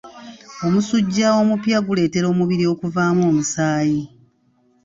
Omusujja omupya guleetera omubiri okuvaamu omusaayi.